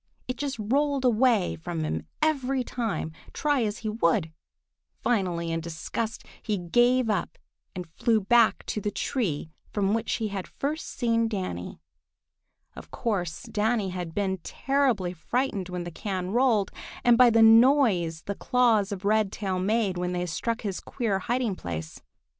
It just rolled away from him every time, try as he would. Finally, in disgust, he gave up and flew back to the tree from which he had first seen Danny. Of course Danny had been terribly frightened when the can rolled, and by the noise the claws of Redtail made when they struck his queer hiding place.